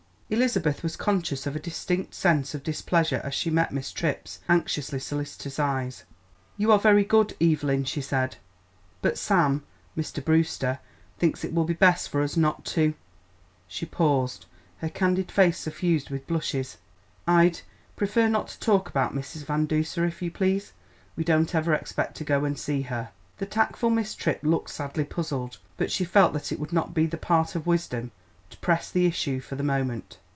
Elizabeth was conscious of a distinct sense of displeasure as she met Miss Tripp's anxiously solicitous eyes. "You are very good, Evelyn," she said, "but Sam Mr. Brewster thinks it will be best for us not to " She paused, her candid face suffused with blushes. "I'd prefer not to talk about Mrs. Van Duser, if you please. We don't ever expect to go and see her." The tactful Miss Tripp looked sadly puzzled, but she felt that it would not be the part of wisdom to press the issue for the moment.